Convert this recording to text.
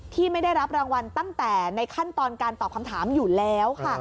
ที่ไม่ได้รับรางวัลตั้งแต่ในขั้นตอนการตอบคำถามอยู่แล้วค่ะ